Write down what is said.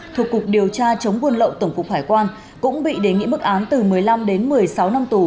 thuộc cục điều tra chống buôn lậu tổng cục hải quan cũng bị đề nghị mức án từ một mươi năm đến một mươi sáu năm tù